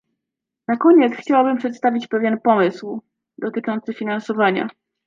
Na koniec chciałabym przedstawić pewien pomysł dotyczący finansowania